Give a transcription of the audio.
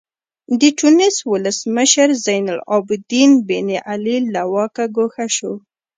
د ټونس ولسمشر زین العابدین بن علي له واکه ګوښه شو.